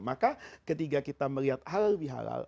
maka ketika kita melihat halal bihalal